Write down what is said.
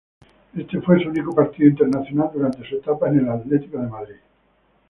Este fue su único partido internacional durante su etapa en el Athletic de Madrid.